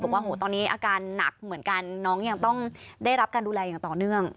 บอกว่าตอนนี้อาการหนักเหมือนกันน้องยังต้องได้รับการดูแลอย่างต่อเนื่อง